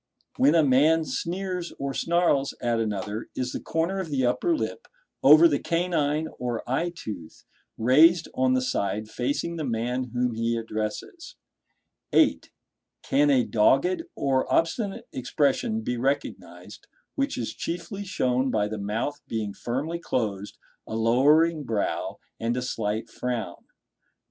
When a man sneers or snarls at another, is the corner of the upper lip over the canine or eye tooth raised on the side facing the man whom he addresses? (8) Can a dogged or obstinate expression be recognized, which is chiefly shown by the mouth being firmly closed, a lowering brow and a slight frown? (9.)